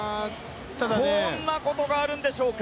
こんなことがあるんでしょうか。